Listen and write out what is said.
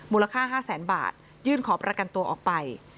มูลค่า๕แสนบาทยื่นขอประกันตัวออกไป